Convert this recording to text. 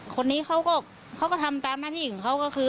คนนี้เขาก็เขาก็ทำตามหน้าที่ของเขาก็คือ